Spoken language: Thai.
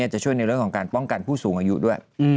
จะช่วยในเรื่องของการป้องกันผู้สูงอายุด้วย